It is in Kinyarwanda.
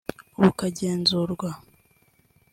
bukagenzurwa